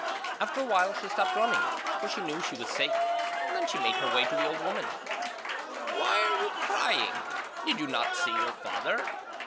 After a while she stopped running, for she knew she was safe, and then she made her way to the old woman. 'Why are you crying? Did you not see your father?'